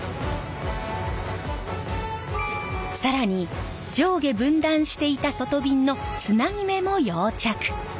更に上下分断していた外びんのつなぎ目も溶着。